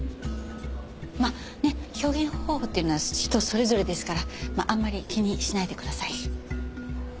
まあねえ表現方法っていうのは人それぞれですからあんまり気にしないでください。